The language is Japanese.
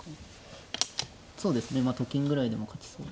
そうですねと金ぐらいでも勝ちそう。